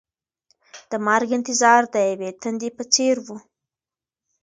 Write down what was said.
د مرګ انتظار د یوې تندې په څېر و.